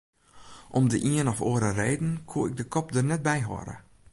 Om de ien of oare reden koe ik de kop der net by hâlde.